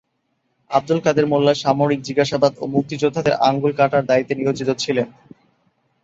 আবদুল কাদের মোল্লা সামরিক জিজ্ঞাসাবাদ ও মুক্তিযোদ্ধাদের আঙুল কাটার দায়িত্বে নিয়োজিত ছিলেন।